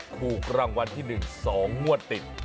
ถูกรางวัลที่๑๒งวดติด